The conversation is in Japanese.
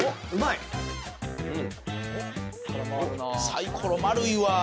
サイコロ丸いわ！